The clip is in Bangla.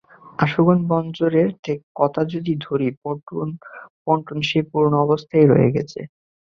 আশুগঞ্জ বন্দরের কথা যদি ধরি, পন্টুন সেই পুরোনো অবস্থায় রয়ে গেছে।